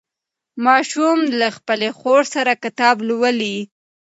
ماشوم له خپلې خور سره کتاب لولي